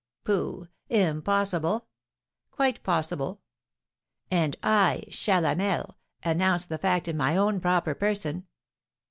'Pooh! Impossible!' 'Quite possible! And I, Chalamel, announce the fact in my own proper person.'